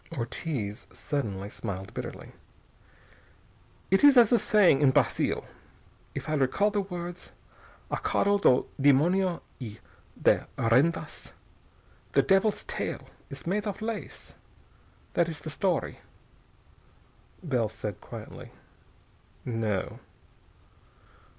Ortiz suddenly smiled bitterly. "It is a saying in Brazil, if I recall the words, 'A cauda do demonio e de rendas.' 'The devil's tail is made of lace.' That is the story." Bell said quietly: "No."